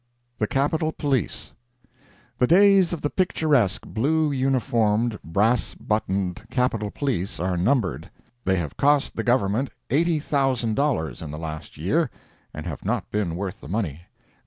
THE CAPITOL POLICE The days of the picturesque, blue uniformed, brass buttoned Capitol police are numbered. They have cost the Government $80,000 in the last year, and have not been worth the money.